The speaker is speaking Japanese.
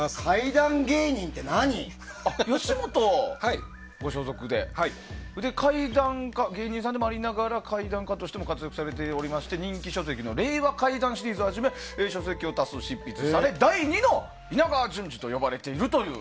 吉本ご所属で芸人さんでもありながら怪談家としても活躍されていまして人気書籍の「レイワ怪談」シリーズをはじめ書籍を多数執筆され、第２の稲川淳二と呼ばれているという。